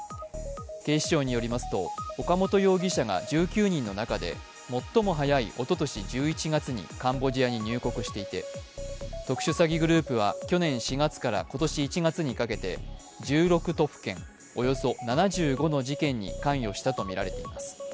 警視庁によりますと岡本容疑者が１９人の中で最も早いおととし１１月にカンボジアに入国していて特殊詐欺グループは去年４月から今年１月にかけて１６都府県およそ７５の事件に関与したとみられています。